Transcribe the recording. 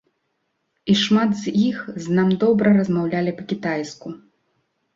І шмат з іх з нам добра размаўлялі па-кітайску.